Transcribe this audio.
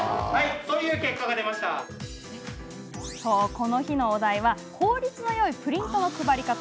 この日のお題は効率のよいプリントの配り方。